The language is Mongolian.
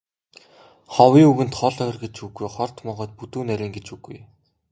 Ховын үгэнд хол ойр гэж үгүй, хорт могойд бүдүүн нарийн гэж үгүй.